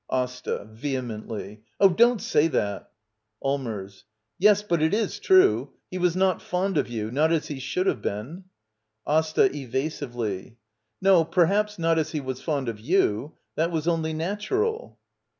AsTA. [Vehemently.] Oh, don't say that! Allmers. Yes, but it is true. He was not fond of you — not as he should have been. AsTA. [Evasively.] No, perhaps not as he was fond of you. That was only natural.